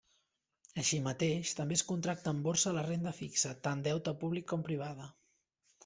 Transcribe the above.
Així mateix, també es contracta en borsa la renda fixa, tant deute públic com privada.